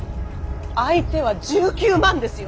相手は１９万ですよ。